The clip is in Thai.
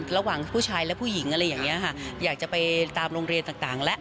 ระหว่างผู้ชายและผู้หญิงอยากจะไปตามโรงเรียนต่างและ